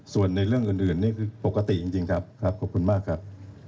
ส่วนในเรื่องอื่นนี่คือปกติจริงครับครับขอบคุณมากครับ